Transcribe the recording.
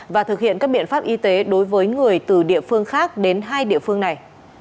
và thực hiện các biện pháp y tế đối với người từ địa phương khác đến hai địa phương này